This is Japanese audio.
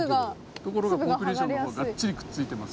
ところがコンクリーションの方はがっちりくっついてます。